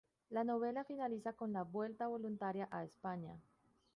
La novela finaliza con la vuelta voluntaria a España.